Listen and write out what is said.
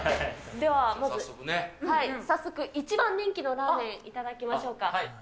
ではまず、早速、一番人気のラーメン頂きましょうか。